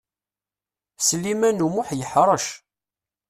Sliman U Muḥ yeḥṛec.